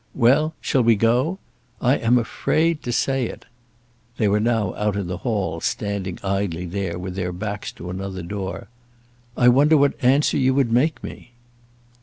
Well; shall we go? I am afraid to say it." They were now out in the hall, standing idly there, with their backs to another door. "I wonder what answer you would make me!"